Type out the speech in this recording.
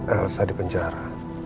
elsa di penjara